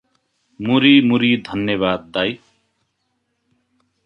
मुरी मुरी धन्यवाद दाइ ।